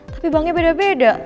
tapi banknya beda beda